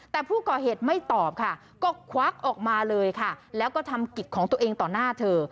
แต่ผู้ก่อเหตุไม่ตอบค่ะก็ควักออกมาเลยค่ะแล้วก็ทำกิจของตัวเองต่อหน้าเธอ